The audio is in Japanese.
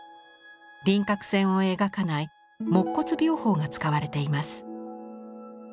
輪郭線を描かない没骨描法が使われています。